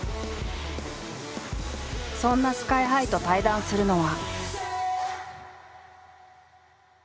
そんなＳＫＹ−ＨＩと対談するのは。